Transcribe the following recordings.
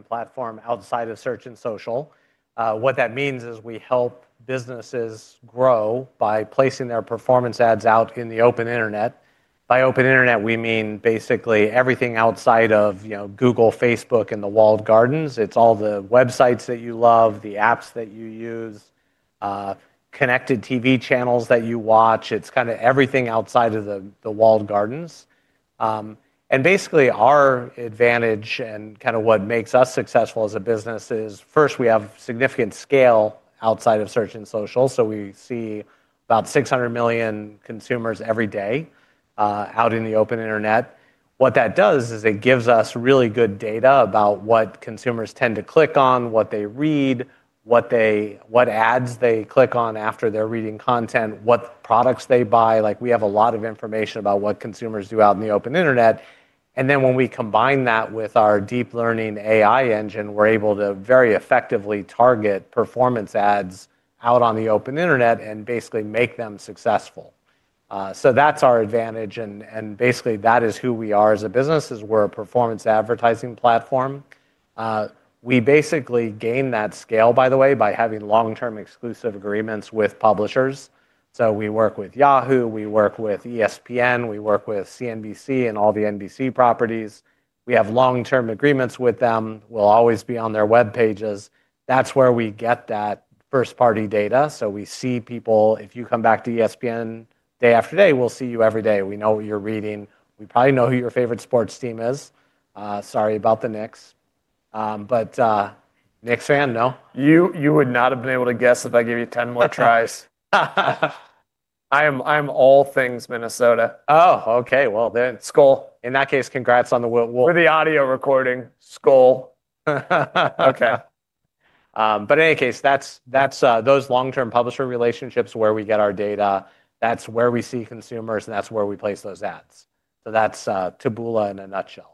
Platform outside of Search and Social. What that means is we help businesses grow by placing their performance ads out in the open internet. By open internet, we mean basically everything outside of, you know, Google, Facebook, and the walled gardens. It's all the websites that you love, the apps that you use, connected TV channels that you watch. It's kind of everything outside of the walled gardens. Basically our advantage and kind of what makes us successful as a business is, first, we have significant scale outside of Search and Social. We see about 600 million consumers every day out in the open internet. What that does is it gives us really good data about what consumers tend to click on, what they read, what ads they click on after they're reading content, what products they buy. Like, we have a lot of information about what consumers do out in the open internet. And then when we combine that with our deep learning AI engine, we're able to very effectively target performance ads out on the open internet and basically make them successful. So that's our advantage. And basically that is who we are as a business is we're a performance advertising platform. We basically gain that scale, by the way, by having long-term exclusive agreements with publishers. We work with Yahoo, we work with ESPN, we work with CNBC and all the NBC properties. We have long-term agreements with them. We'll always be on their web pages. That's where we get that first-party data. We see people. If you come back to ESPN day after day, we'll see you every day. We know what you're reading. We probably know who your favorite sports team is. Sorry about the Knicks. But, Knicks fan, no? You would not have been able to guess if I gave you 10 more tries. I am all things Minnesota. Oh, okay. In that case, congrats on the whe-whe. For the audio recording, Skoll. Okay. In any case, that's those long-term publisher relationships where we get our data, that's where we see consumers, and that's where we place those ads. That's Taboola in a nutshell.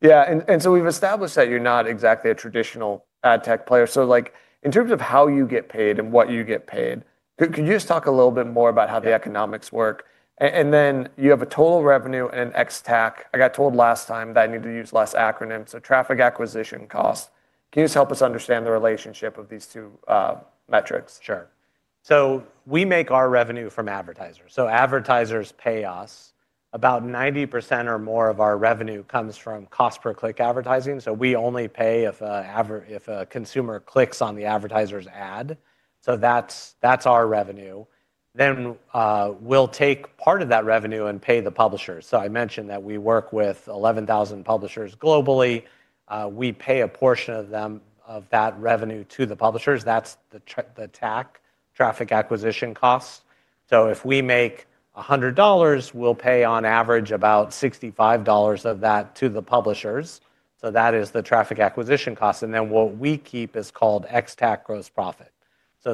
Yeah. And, and so we've established that you're not exactly a traditional ad tech player. Like, in terms of how you get paid and what you get paid, could, could you just talk a little bit more about how the economics work? And, and then you have a total revenue and an XTAC. I got told last time that I need to use less acronyms. So traffic acquisition cost. Can you just help us understand the relationship of these two, metrics? Sure. We make our revenue from advertisers. Advertisers pay us. About 90% or more of our revenue comes from cost per click advertising. We only pay if a consumer clicks on the advertiser's ad. That's our revenue. We take part of that revenue and pay the publishers. I mentioned that we work with 11,000 publishers globally. We pay a portion of that revenue to the publishers. That's the TAC, traffic acquisition cost. If we make $100, we pay on average about $65 of that to the publishers. That is the traffic acquisition cost. What we keep is called XTAC gross profit.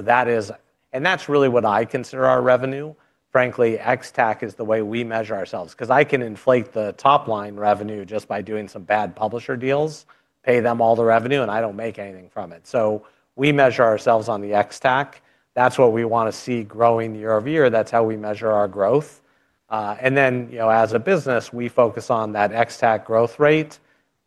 That is, and that's really what I consider our revenue. Frankly, XTAC is the way we measure ourselves. 'Cause I can inflate the top line revenue just by doing some bad publisher deals, pay them all the revenue, and I don't make anything from it. We measure ourselves on the XTAC. That's what we wanna see growing year over year. That's how we measure our growth. And then, you know, as a business, we focus on that XTAC growth rate.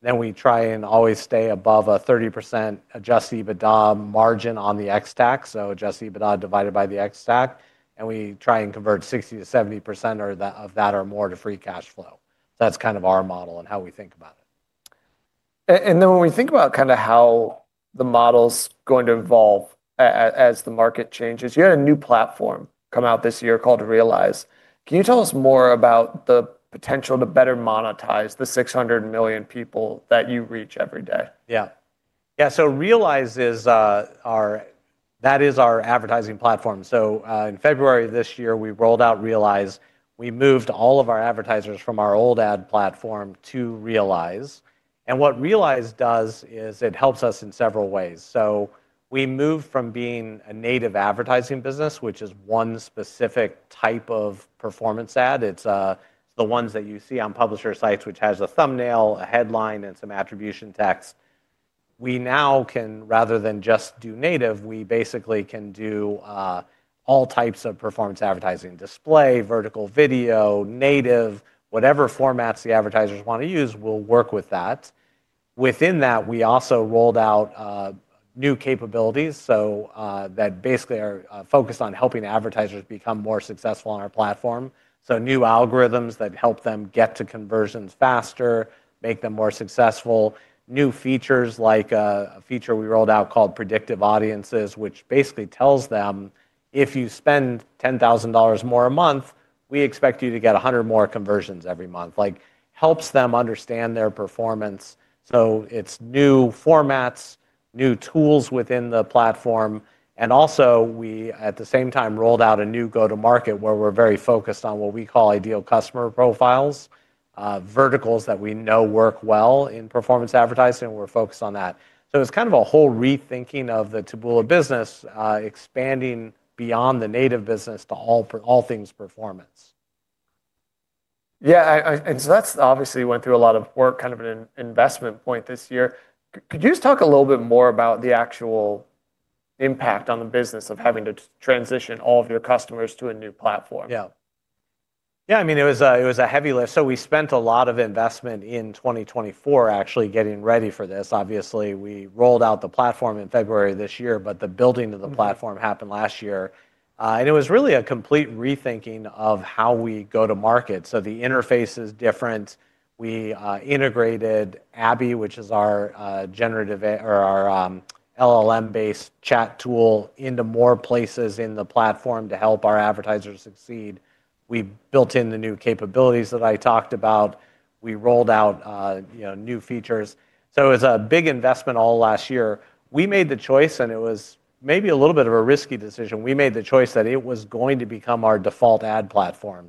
We try and always stay above a 30% adjusted EBITDA margin on the XTAC. Adjusted EBITDA divided by the XTAC. We try and convert 60-70% or that or more to free cash flow. That's kind of our model and how we think about it. When we think about kind of how the model's going to evolve as the market changes, you had a new platform come out this year called Realize. Can you tell us more about the potential to better monetize the 600 million people that you reach every day? Yeah. Yeah. Realize is, our, that is our advertising platform. In February of this year, we rolled out Realize. We moved all of our advertisers from our old ad platform to Realize. What Realize does is it helps us in several ways. We moved from being a native advertising business, which is one specific type of performance ad. It's, it's the ones that you see on publisher sites, which has a thumbnail, a headline, and some attribution text. We now can, rather than just do native, we basically can do all types of performance advertising: display, vertical video, native, whatever formats the advertisers wanna use, we'll work with that. Within that, we also rolled out new capabilities. That basically are focused on helping advertisers become more successful on our platform. New algorithms that help them get to conversions faster, make them more successful. New features like, a feature we rolled out called Predictive Audiences, which basically tells them if you spend $10,000 more a month, we expect you to get 100 more conversions every month. Like, helps them understand their performance. It's new formats, new tools within the platform. Also we, at the same time, rolled out a new go-to-market where we're very focused on what we call ideal customer profiles, verticals that we know work well in performance advertising. We're focused on that. It's kind of a whole rethinking of the Taboola business, expanding beyond the native business to all, all things performance. Yeah. I, I, and so that obviously went through a lot of work, kind of an investment point this year. Could you just talk a little bit more about the actual impact on the business of having to transition all of your customers to a new platform? Yeah. Yeah. I mean, it was a, it was a heavy lift. We spent a lot of investment in 2024 actually getting ready for this. Obviously, we rolled out the platform in February this year, but the building of the platform happened last year. It was really a complete rethinking of how we go to market. The interface is different. We integrated Abby, which is our generative AI or our LLM-based chat tool, into more places in the platform to help our advertisers succeed. We built in the new capabilities that I talked about. We rolled out, you know, new features. It was a big investment all last year. We made the choice, and it was maybe a little bit of a risky decision. We made the choice that it was going to become our default ad platform.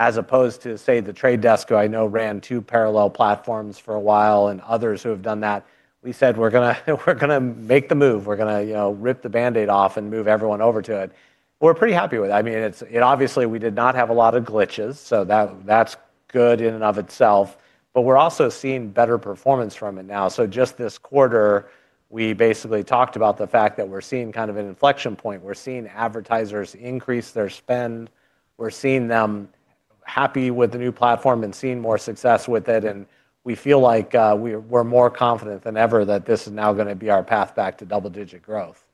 As opposed to, say, The Trade Desk, who I know ran two parallel platforms for a while and others who have done that, we said, we're gonna, we're gonna make the move. We're gonna, you know, rip the Band-Aid off and move everyone over to it. We're pretty happy with it. I mean, it obviously we did not have a lot of glitches. That, that's good in and of itself. We're also seeing better performance from it now. Just this quarter, we basically talked about the fact that we're seeing kind of an inflection point. We're seeing advertisers increase their spend. We're seeing them happy with the new platform and seeing more success with it. We feel like, we're, we're more confident than ever that this is now gonna be our path back to double-digit growth.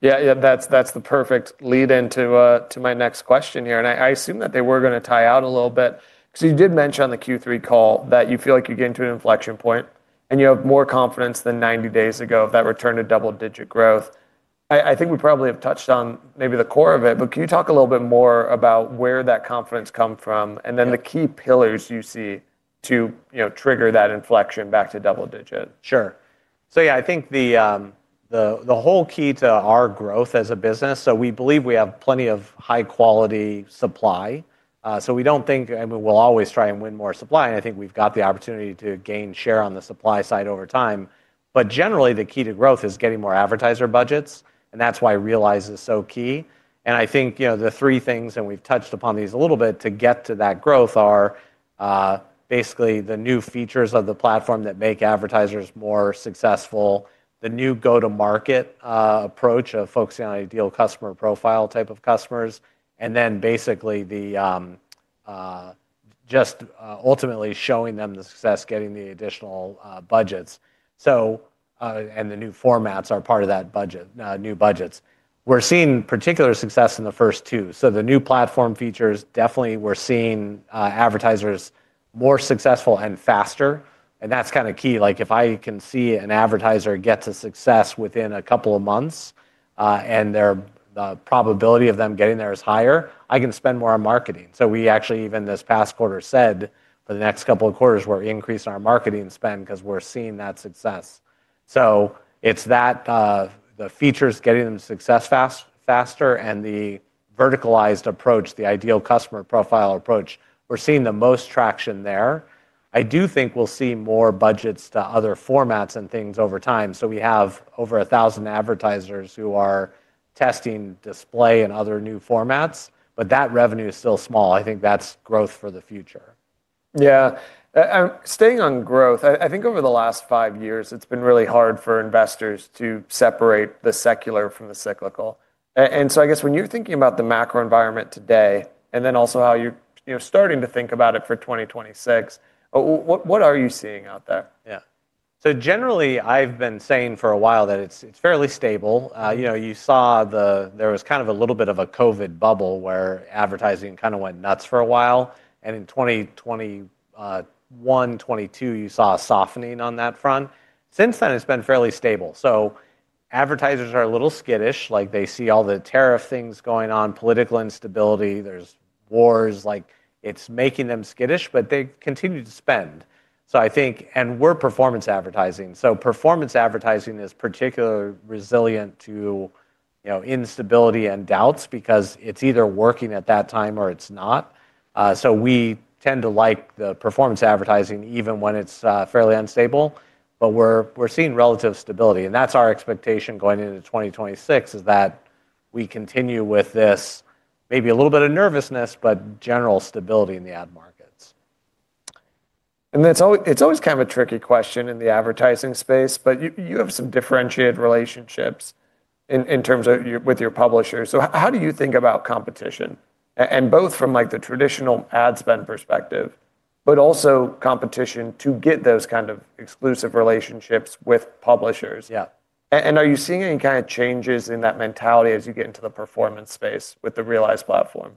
Yeah. Yeah. That's the perfect lead into my next question here. And I assume that they were gonna tie out a little bit 'cause you did mention on the Q3 call that you feel like you get into an inflection point and you have more confidence than 90 days ago of that return to double-digit growth. I think we probably have touched on maybe the core of it, but can you talk a little bit more about where that confidence comes from and then the key pillars you see to, you know, trigger that inflection back to double-digit? Sure. Yeah, I think the whole key to our growth as a business, we believe we have plenty of high-quality supply. We don't think, I mean, we'll always try and win more supply. I think we've got the opportunity to gain share on the supply side over time. Generally, the key to growth is getting more advertiser budgets. That's why Realize is so key. I think the three things, and we've touched upon these a little bit to get to that growth, are basically the new features of the platform that make advertisers more successful, the new go-to-market approach of focusing on ideal customer profile type of customers, and then ultimately showing them the success, getting the additional budgets. The new formats are part of that budget, new budgets. We're seeing particular success in the first two. The new platform features, definitely we're seeing advertisers more successful and faster. That's kind of key. Like, if I can see an advertiser get to success within a couple of months, and the probability of them getting there is higher, I can spend more on marketing. We actually, even this past quarter, said for the next couple of quarters, we're increasing our marketing spend 'cause we're seeing that success. It's that, the features getting them success fast, faster, and the verticalized approach, the ideal customer profile approach, we're seeing the most traction there. I do think we'll see more budgets to other formats and things over time. We have over 1,000 advertisers who are testing display and other new formats, but that revenue is still small. I think that's growth for the future. Yeah. Staying on growth, I think over the last five years, it's been really hard for investors to separate the secular from the cyclical. And so I guess when you're thinking about the macro environment today and then also how you're, you know, starting to think about it for 2026, what are you seeing out there? Yeah. So generally, I've been saying for a while that it's, it's fairly stable. You know, you saw the, there was kind of a little bit of a COVID bubble where advertising kind of went nuts for a while. And in 2021, 2022, you saw a softening on that front. Since then, it's been fairly stable. So advertisers are a little skittish. Like, they see all the tariff things going on, political instability, there's wars. Like, it's making them skittish, but they continue to spend. So I think, and we're performance advertising. So performance advertising is particularly resilient to, you know, instability and doubts because it's either working at that time or it's not. So we tend to like the performance advertising even when it's, fairly unstable. But we're, we're seeing relative stability. That's our expectation going into 2026 is that we continue with this maybe a little bit of nervousness, but general stability in the ad markets. It's always kind of a tricky question in the advertising space, but you have some differentiated relationships in terms of your, with your publishers. How do you think about competition? And both from like the traditional ad spend perspective, but also competition to get those kind of exclusive relationships with publishers. And are you seeing any kind of changes in that mentality as you get into the performance space with the Realize platform?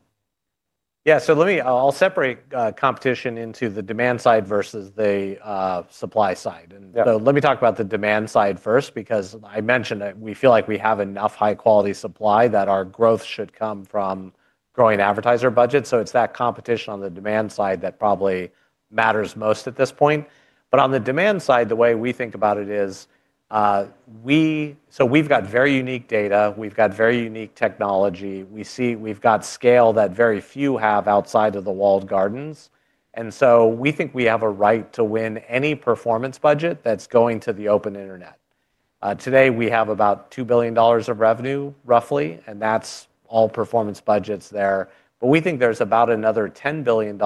Yeah. Let me, I'll separate competition into the demand side versus the supply side. Let me talk about the demand side first because I mentioned that we feel like we have enough high-quality supply that our growth should come from growing advertiser budgets. It is that competition on the demand side that probably matters most at this point. On the demand side, the way we think about it is, we have very unique data. We have very unique technology. We see we have scale that very few have outside of the walled gardens. We think we have a right to win any performance budget that is going to the open internet. Today we have about $2 billion of revenue, roughly, and that is all performance budgets there. We think there is about another $10 billion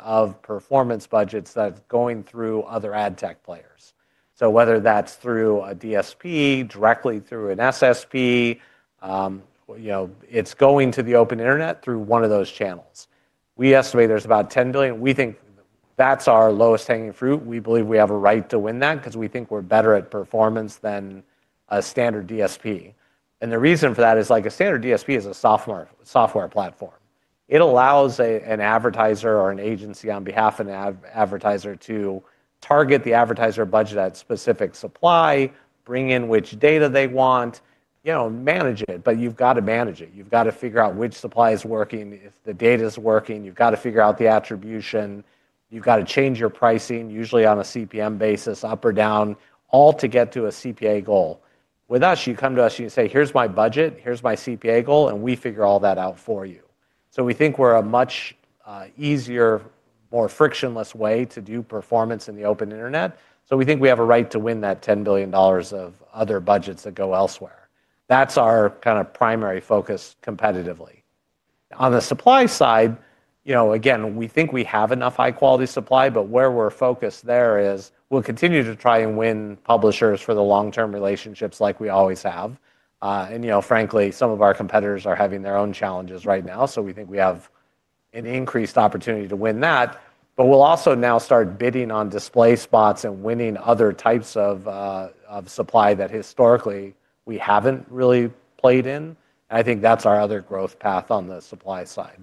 of performance budgets that is going through other ad tech players. Whether that's through a DSP, directly through an SSP, you know, it's going to the open internet through one of those channels. We estimate there's about $10 billion. We think that's our lowest hanging fruit. We believe we have a right to win that 'cause we think we're better at performance than a standard DSP. The reason for that is like a standard DSP is a software, software platform. It allows an advertiser or an agency on behalf of an advertiser to target the advertiser budget at specific supply, bring in which data they want, you know, manage it, but you've gotta manage it. You've gotta figure out which supply is working. If the data's working, you've gotta figure out the attribution. You've gotta change your pricing, usually on a CPM basis, up or down, all to get to a CPA goal. With us, you come to us and you say, "Here's my budget. Here's my CPA goal." And we figure all that out for you. We think we're a much easier, more frictionless way to do performance in the open internet. We think we have a right to win that $10 billion of other budgets that go elsewhere. That's our kind of primary focus competitively. On the supply side, you know, again, we think we have enough high-quality supply, but where we're focused there is we'll continue to try and win publishers for the long-term relationships like we always have. You know, frankly, some of our competitors are having their own challenges right now. We think we have an increased opportunity to win that. We'll also now start bidding on display spots and winning other types of supply that historically we haven't really played in. I think that's our other growth path on the supply side.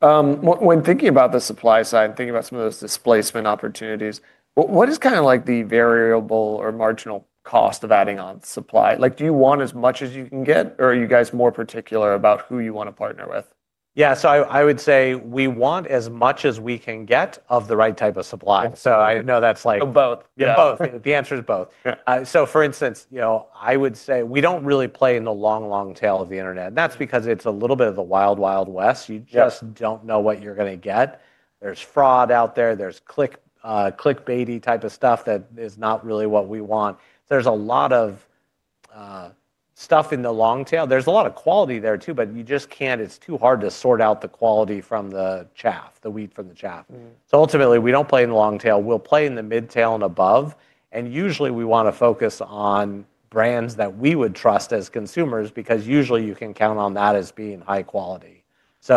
When thinking about the supply side and thinking about some of those displacement opportunities, what is kind of like the variable or marginal cost of adding on supply? Do you want as much as you can get, or are you guys more particular about who you wanna partner with? Yeah. I would say we want as much as we can get of the right type of supply. I know that's like. Both. Yeah. Both. The answer's both. Yeah. For instance, you know, I would say we don't really play in the long, long tail of the internet. And that's because it's a little bit of the wild, wild west. You just. Don't know what you're gonna get. There's fraud out there. There's click, clickbaity type of stuff that is not really what we want. There's a lot of stuff in the long tail. There's a lot of quality there too, but you just can't, it's too hard to sort out the quality from the chaff, the wheat from the chaff. Ultimately we do not play in the long tail. We will play in the mid-tail and above. Usually we want to focus on brands that we would trust as consumers because usually you can count on that as being high quality. We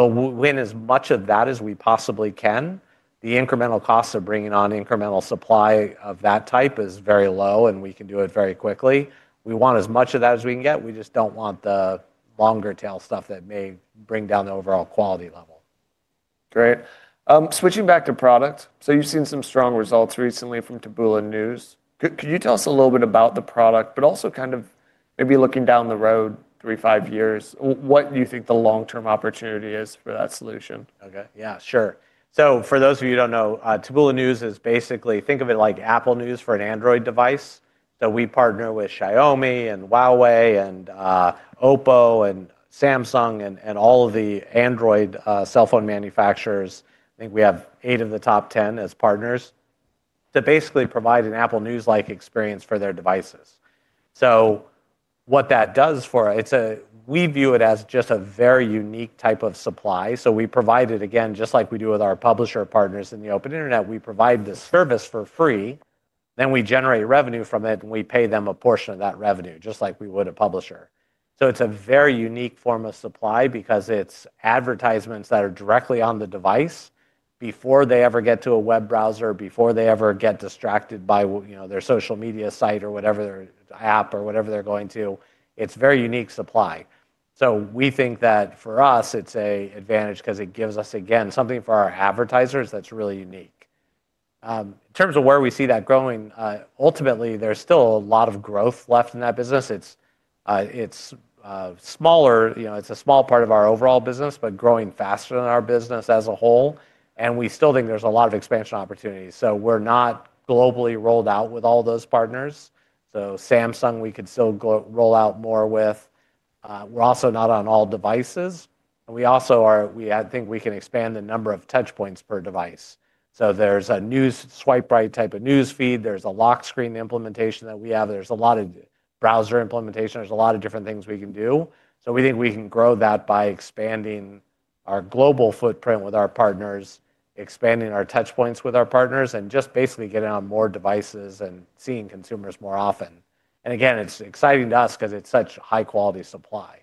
will win as much of that as we possibly can. The incremental costs of bringing on incremental supply of that type is very low and we can do it very quickly. We want as much of that as we can get. We just do not want the longer tail stuff that may bring down the overall quality level. Great. Switching back to product. So you've seen some strong results recently from Taboola News. Could, could you tell us a little bit about the product, but also kind of maybe looking down the road, three, five years, what you think the long-term opportunity is for that solution? Okay. Yeah. Sure. For those of you who do not know, Taboola News is basically, think of it like Apple News for an Android device. We partner with Xiaomi and Huawei and Oppo and Samsung and all of the Android cell phone manufacturers. I think we have eight of the top 10 as partners to basically provide an Apple News-like experience for their devices. What that does for us, we view it as just a very unique type of supply. We provide it, again, just like we do with our publisher partners in the open internet, we provide the service for free, then we generate revenue from it and we pay them a portion of that revenue, just like we would a publisher. It's a very unique form of supply because it's advertisements that are directly on the device before they ever get to a web browser, before they ever get distracted by, you know, their social media site or whatever their app or whatever they're going to. It's very unique supply. We think that for us, it's an advantage 'cause it gives us, again, something for our advertisers that's really unique. In terms of where we see that growing, ultimately there's still a lot of growth left in that business. It's smaller, you know, it's a small part of our overall business, but growing faster than our business as a whole. We still think there's a lot of expansion opportunities. We're not globally rolled out with all those partners. Samsung, we could still go roll out more with. We're also not on all devices. We also are, we, I think we can expand the number of touch points per device. There is a news swipe right type of news feed. There is a lock screen implementation that we have. There is a lot of browser implementation. There are a lot of different things we can do. We think we can grow that by expanding our global footprint with our partners, expanding our touch points with our partners, and just basically getting on more devices and seeing consumers more often. Again, it is exciting to us 'cause it is such high-quality supply.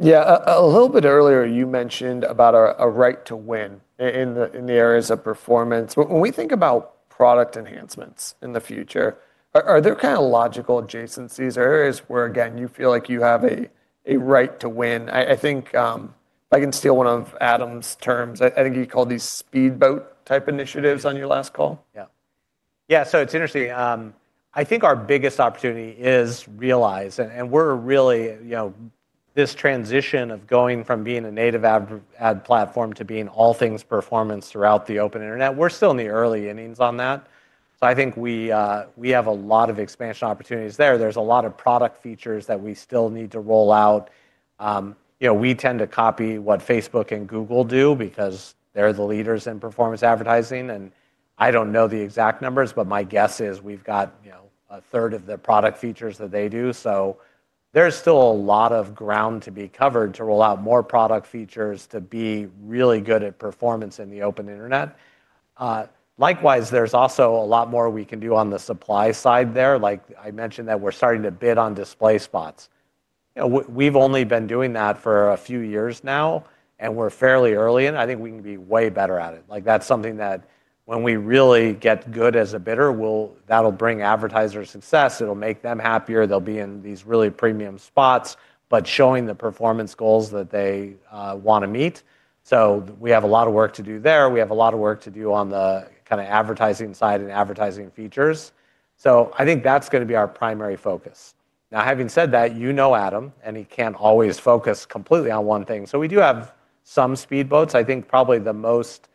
Yeah. A little bit earlier you mentioned about a right to win in the areas of performance. When we think about product enhancements in the future, are there kind of logical adjacencies or areas where, again, you feel like you have a right to win? I think, if I can steal one of Adam's terms, I think he called these speedboat type initiatives on your last call. Yeah. Yeah. So it's interesting. I think our biggest opportunity is Realize. And we're really, you know, this transition of going from being a native ad, ad platform to being all things performance throughout the open internet, we're still in the early innings on that. So I think we have a lot of expansion opportunities there. There's a lot of product features that we still need to roll out. You know, we tend to copy what Facebook and Google do because they're the leaders in performance advertising. And I don't know the exact numbers, but my guess is we've got, you know, a third of the product features that they do. So there's still a lot of ground to be covered to roll out more product features to be really good at performance in the open internet. Likewise, there's also a lot more we can do on the supply side there. Like I mentioned, we're starting to bid on display spots. You know, we've only been doing that for a few years now, and we're fairly early in it. I think we can be way better at it. Like that's something that when we really get good as a bidder, that'll bring advertiser success. It'll make them happier. They'll be in these really premium spots, but showing the performance goals that they want to meet. We have a lot of work to do there. We have a lot of work to do on the kind of advertising side and advertising features. I think that's going to be our primary focus. Now, having said that, you know Adam, and he can't always focus completely on one thing. We do have some speedboats. I think probably the most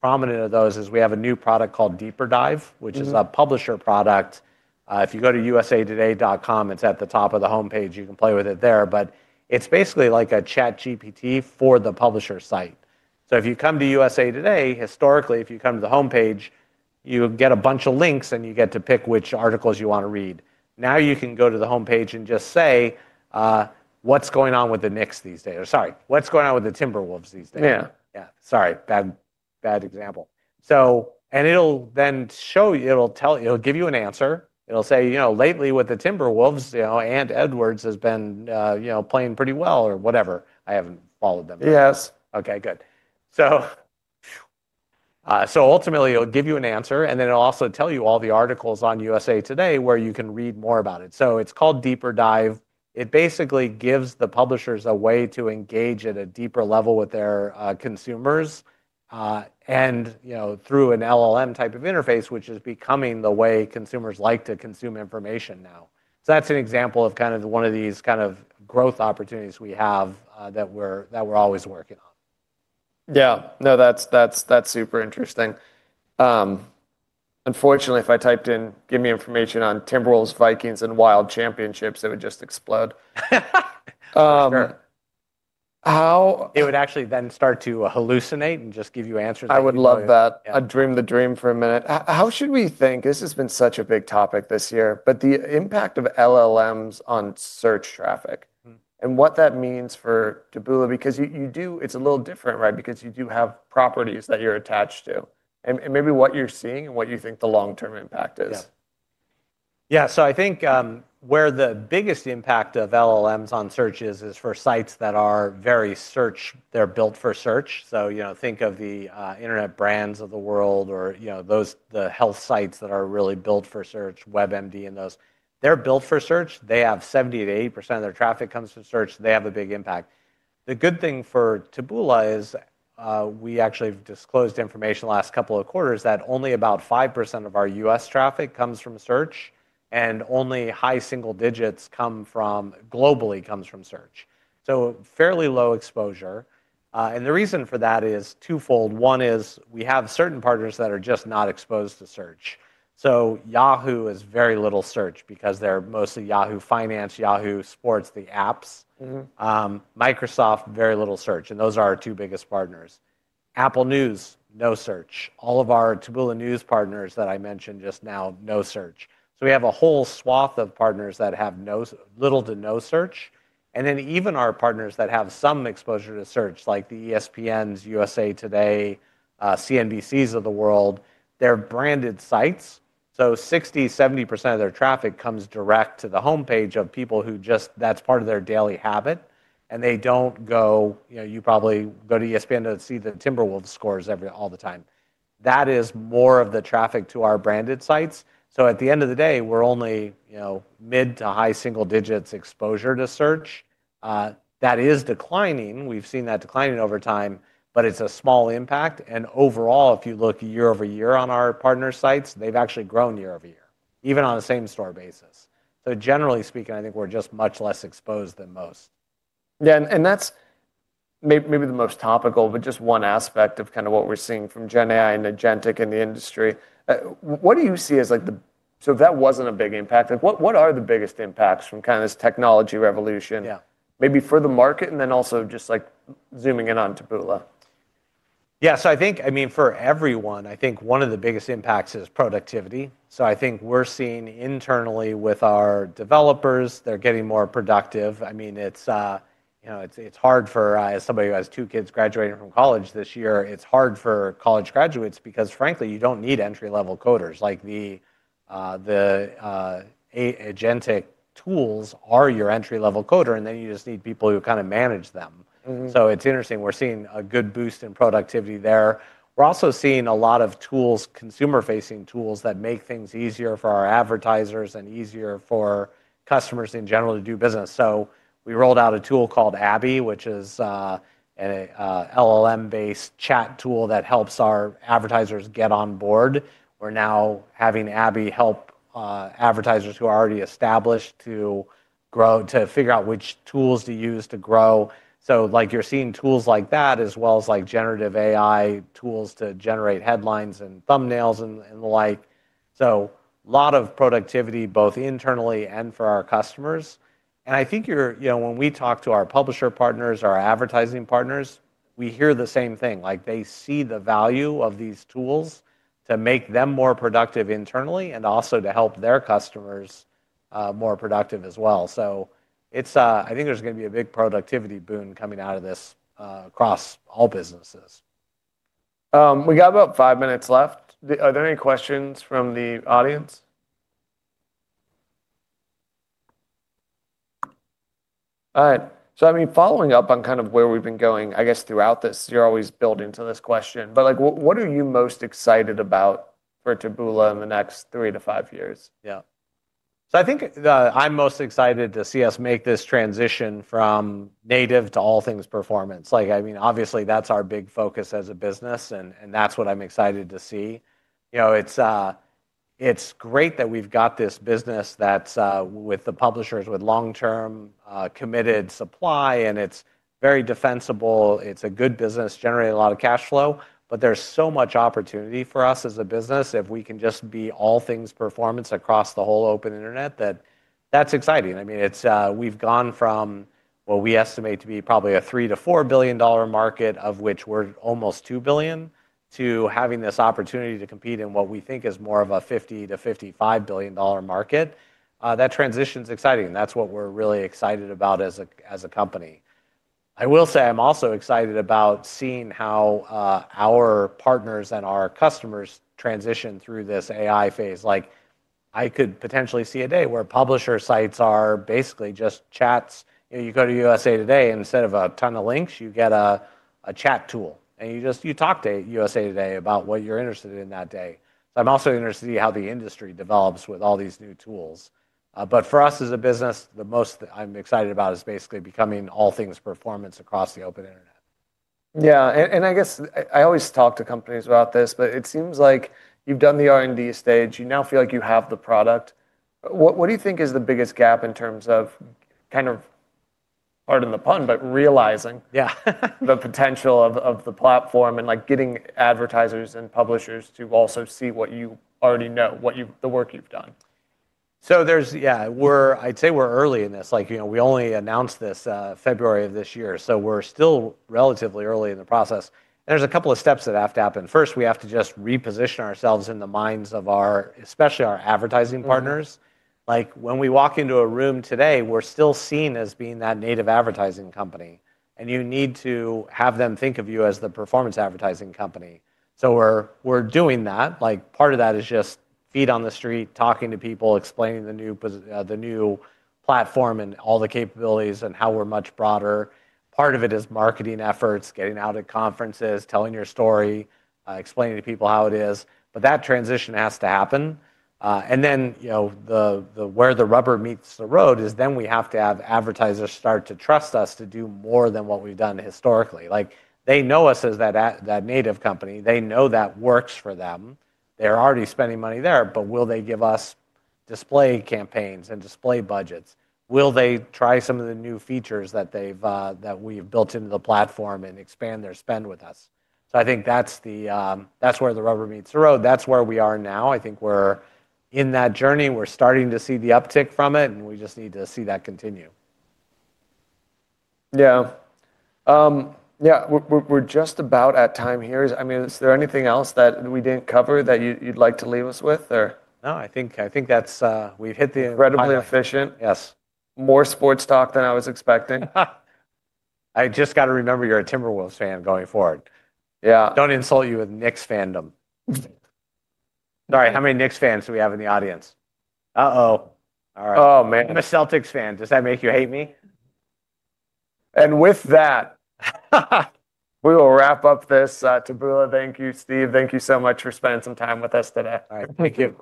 prominent of those is we have a new product called Deeper Dive, which is a publisher product. If you go to usatoday.com, it's at the top of the homepage. You can play with it there, but it's basically like a ChatGPT for the publisher site. If you come to USA Today, historically, if you come to the homepage, you get a bunch of links and you get to pick which articles you wanna read. Now you can go to the homepage and just say, what's going on with the Knicks these days? Or sorry, what's going on with the Timberwolves these days? Yeah. Sorry. Bad, bad example. So, and it'll then show you, it'll tell, it'll give you an answer. It'll say, you know, lately with the Timberwolves, you know, Ant Edwards has been, you know, playing pretty well or whatever. I haven't followed them. Yes. Okay. Good. Ultimately it'll give you an answer, and then it'll also tell you all the articles on USA Today where you can read more about it. It's called Deeper Dive. It basically gives the publishers a way to engage at a deeper level with their consumers, and, you know, through an LLM type of interface, which is becoming the way consumers like to consume information now. That's an example of kind of one of these kind of growth opportunities we have, that we're always working on. Yeah. No, that's super interesting. Unfortunately, if I typed in, "Give me information on Timberwolves, Vikings, and Wild championships," it would just explode. How? It would actually then start to hallucinate and just give you answers that. I would love that. I'd dream the dream for a minute. How should we think? This has been such a big topic this year, but the impact of LLMs on search traffic and what that means for Taboola. Because you do, it's a little different, right? Because you do have properties that you're attached to. And maybe what you're seeing and what you think the long-term impact is. Yeah. Yeah. So I think, where the biggest impact of LLMs on search is, is for sites that are very search, they're built for search. So, you know, think of the internet brands of the world or, you know, those, the health sites that are really built for search, WebMD and those, they're built for search. They have 70-80% of their traffic comes from search. They have a big impact. The good thing for Taboola is, we actually have disclosed information the last couple of quarters that only about 5% of our US traffic comes from search and only high single digits globally comes from search. So fairly low exposure. The reason for that is twofold. One is we have certain partners that are just not exposed to search. So Yahoo has very little search because they're mostly Yahoo Finance, Yahoo Sports, the apps. Microsoft, very little search. And those are our two biggest partners. Apple News, no search. All of our Taboola News partners that I mentioned just now, no search. So we have a whole swath of partners that have no search, little to no search. And then even our partners that have some exposure to search, like the ESPNs, USA Today, CNBCs of the world, they're branded sites. So 60-70% of their traffic comes direct to the homepage of people who just, that's part of their daily habit. And they don't go, you know, you probably go to ESPN to see the Timberwolves scores every, all the time. That is more of the traffic to our branded sites. So at the end of the day, we're only, you know, mid to high single digits exposure to search. that is declining. We've seen that declining over time, but it's a small impact. Overall, if you look year over year on our partner sites, they've actually grown year over year, even on the same store basis. Generally speaking, I think we're just much less exposed than most. Yeah. And that's maybe the most topical, but just one aspect of kind of what we're seeing from GenAI and Agentic in the industry. What do you see as like the, so if that wasn't a big impact, like what are the biggest impacts from kind of this technology revolution? Maybe for the market and then also just like zooming in on Taboola. Yeah. I think, I mean, for everyone, I think one of the biggest impacts is productivity. I think we're seeing internally with our developers, they're getting more productive. I mean, it's, you know, it's hard for somebody who has two kids graduating from college this year. It's hard for college graduates because, frankly, you don't need entry-level coders. The Agentic tools are your entry-level coder, and then you just need people who kind of manage them. It's interesting. We're seeing a good boost in productivity there. We're also seeing a lot of tools, consumer-facing tools that make things easier for our advertisers and easier for customers in general to do business. We rolled out a tool called Abby, which is an LLM-based chat tool that helps our advertisers get on board. We're now having Abby help advertisers who are already established to grow, to figure out which tools to use to grow. Like, you're seeing tools like that as well as generative AI tools to generate headlines and thumbnails and the like. A lot of productivity both internally and for our customers. I think you're, you know, when we talk to our publisher partners, our advertising partners, we hear the same thing. Like they see the value of these tools to make them more productive internally and also to help their customers more productive as well. I think there's gonna be a big productivity boon coming out of this, across all businesses. We got about five minutes left. Are there any questions from the audience? All right. I mean, following up on kind of where we've been going, I guess throughout this, you're always building to this question, but like what, what are you most excited about for Taboola in the next three to five years? Yeah. So I think, I'm most excited to see us make this transition from native to all things performance. Like, I mean, obviously that's our big focus as a business, and that's what I'm excited to see. You know, it's great that we've got this business that's with the publishers with long-term, committed supply, and it's very defensible. It's a good business, generating a lot of cash flow, but there's so much opportunity for us as a business if we can just be all things performance across the whole open internet, that that's exciting. I mean, we've gone from what we estimate to be probably a $3 billion-$4 billion market, of which we're almost $2 billion, to having this opportunity to compete in what we think is more of a $50 billion-$55 billion market. That transition's exciting. That's what we're really excited about as a, as a company. I will say I'm also excited about seeing how our partners and our customers transition through this AI phase. Like I could potentially see a day where publisher sites are basically just chats. You know, you go to USA Today, and instead of a ton of links, you get a, a chat tool, and you just, you talk to USA Today about what you're interested in that day. I'm also interested to see how the industry develops with all these new tools. For us as a business, the most I'm excited about is basically becoming all things performance across the open internet. Yeah. I guess I always talk to companies about this, but it seems like you've done the R&D stage. You now feel like you have the product. What do you think is the biggest gap in terms of kind of, pardon the pun, but realizing. The potential of the platform and like getting advertisers and publishers to also see what you already know, what you've, the work you've done? Yeah, we're, I'd say we're early in this. Like, you know, we only announced this February of this year, so we're still relatively early in the process. There's a couple of steps that have to happen. First, we have to just reposition ourselves in the minds of our, especially our advertising partners. Like when we walk into a room today, we're still seen as being that native advertising company, and you need to have them think of you as the performance advertising company. We're doing that. Like part of that is just feet on the street, talking to people, explaining the new, the new platform and all the capabilities and how we're much broader. Part of it is marketing efforts, getting out at conferences, telling your story, explaining to people how it is. That transition has to happen. and then, you know, where the rubber meets the road is then we have to have advertisers start to trust us to do more than what we've done historically. Like they know us as that native company. They know that works for them. They're already spending money there, but will they give us display campaigns and display budgets? Will they try some of the new features that we've built into the platform and expand their spend with us? I think that's where the rubber meets the road. That's where we are now. I think we're in that journey. We're starting to see the uptick from it, and we just need to see that continue. Yeah. We're just about at time here. I mean, is there anything else that we didn't cover that you'd like to leave us with or? No, I think that's, we've hit the end. Incredibly efficient. More sports talk than I was expecting. I just gotta remember you're a Timberwolves fan going forward. Yeah. Don't insult you with Knicks fandom. Sorry. How many Knicks fans do we have in the audience? Oh. All right. Oh man. I'm a Celtics fan. Does that make you hate me? We will wrap up this. Taboola. Thank you, Steve. Thank you so much for spending some time with us today. All right. Thank you.